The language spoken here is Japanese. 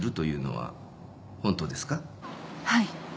はい。